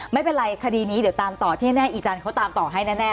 ไม่เป็นไรคดีนี้เดี๋ยวตามต่อที่แน่อีจันทร์เขาตามต่อให้แน่